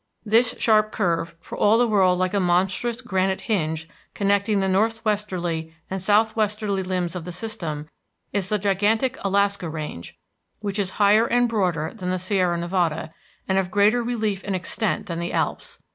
This sharp curve, for all the world like a monstrous granite hinge connecting the northwesterly and southwesterly limbs of the System, is the gigantic Alaska Range, which is higher and broader than the Sierra Nevada, and of greater relief and extent than the Alps.